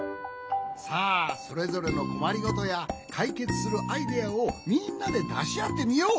さあそれぞれのこまりごとやかいけつするアイデアをみんなでだしあってみよう。